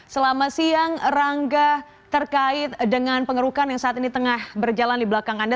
selamat siang rangga terkait dengan pengerukan yang saat ini tengah berjalan di belakang anda